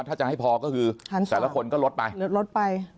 ถ้าจะให้พอก็คือแต่ละคนก็ลดไปลดไป